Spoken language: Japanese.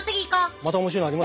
また面白いのありますよ。